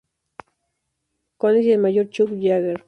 Collins y el Mayor Chuck Yeager.